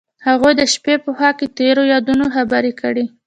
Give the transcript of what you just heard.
هغوی د شپه په خوا کې تیرو یادونو خبرې کړې.